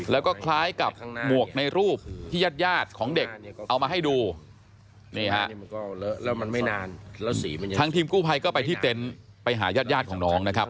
แล้วก็คล้ายกับหมวกในรูปที่ญาติยาติของเด็กเอามาให้ดูทั้งทีมกู้ภัยก็ไปที่เต็นท์ไปหายาติยาติของน้องนะครับ